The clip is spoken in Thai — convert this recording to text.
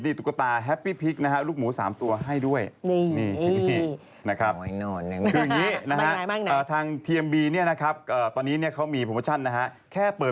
นี่กลับมาที่พวกเรานะคะอะไรอยู่นี่